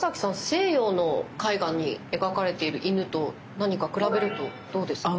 西洋の絵画に描かれている犬と何か比べるとどうですか？